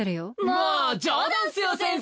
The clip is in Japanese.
もう冗談っすよ先生！